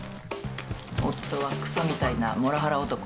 夫はくそみたいなモラハラ男